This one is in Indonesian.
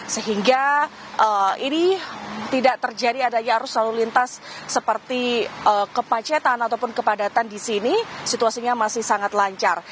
sehingga ini tidak terjadi adanya arus lalu lintas seperti kemacetan ataupun kepadatan di sini situasinya masih sangat lancar